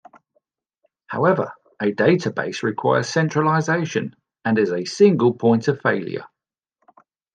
However, a database requires centralization and is a single point of failure.